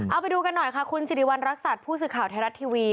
เอาไปดูกันหน่อยค่ะคุณสิริวัณรักษัตริย์ผู้สื่อข่าวไทยรัฐทีวี